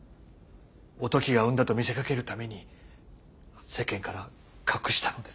おトキが産んだと見せかけるために世間から隠したのです。